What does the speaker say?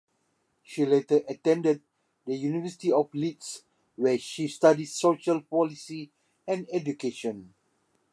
She later attended the University of Leeds where she studied Social Policy and Education.